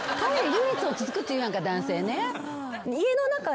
唯一落ち着くっていうやんか男性ね。